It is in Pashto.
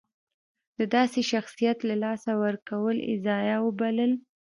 د داسې شخصیت له لاسه ورکول یې ضایعه وبلله.